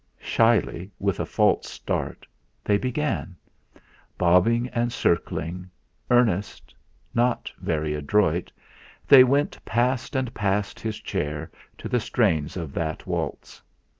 Shyly, with a false start, they began. Bobbing and circling, earnest, not very adroit, they went past and past his chair to the strains of that waltz.